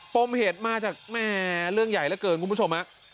ปมเหตุมาจากแม่เรื่องใหญ่เหลือเกินคุณผู้ชมฮะ